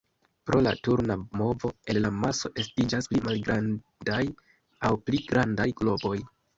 Pro la turna movo, el la maso estiĝas pli malgrandaj aŭ pli grandaj globoj.